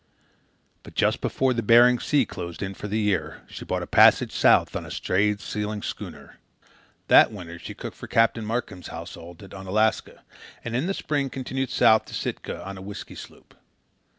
But just before Bering Sea closed in for the year, she bought a passage south on a strayed sealing schooner. That winter she cooked for Captain Markheim's household at Unalaska, and in the spring continued south to Sitka on a whisky sloop.